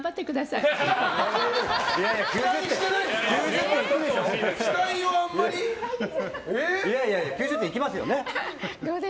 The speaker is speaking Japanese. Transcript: いやいや９０点いきますよね？